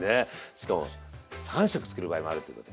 しかも３食作る場合もあるっていうことで。